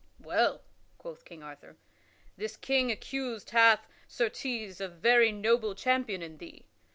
"Well," quoth King Arthur, "this King accused hath, certes, a very noble champion in thee.